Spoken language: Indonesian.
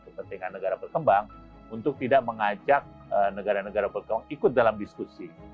kepentingan negara berkembang untuk tidak mengajak negara negara berkembang ikut dalam diskusi